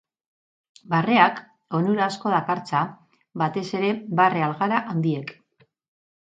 Barreak onura asko dakartza, batez ere barre algara handiek.